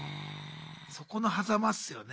そこのはざまっすよね。